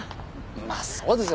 まあそうですよね。